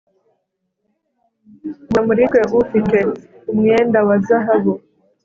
Gura muri twe ufite umwenda wa zahabu